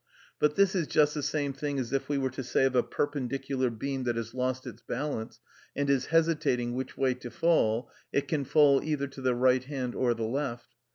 But this is just the same thing as if we were to say of a perpendicular beam that has lost its balance, and is hesitating which way to fall, "It can fall either to the right hand or the left."